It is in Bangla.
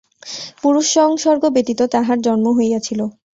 পুরুষসংসর্গ ব্যতীত তাঁহার জন্ম হইয়াছিল।